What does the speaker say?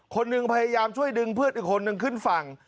คนหนึ่งพยายามช่วยดึงเพื่อนอีกคนนึงขึ้นฝั่ง